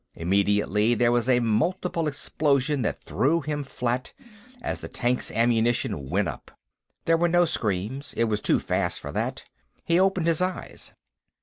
Immediately, there was a multiple explosion that threw him flat, as the tank's ammunition went up. There were no screams. It was too fast for that. He opened his eyes.